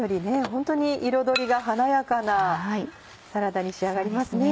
ホントに彩りが華やかなサラダに仕上がりますね。